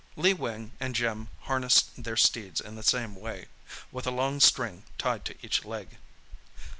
Lee Wing and Jim harnessed their steeds in the same way—with a long string tied to each leg.